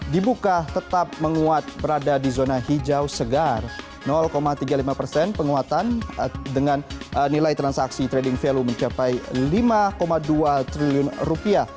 dibuka tetap menguat berada di zona hijau segar tiga puluh lima persen penguatan dengan nilai transaksi trading value mencapai lima dua triliun rupiah